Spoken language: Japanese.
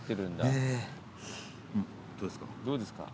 どうですか？